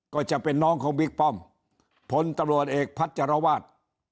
ก็จะเป็นน้องของบิคปอมพตเอกพัชจารวาส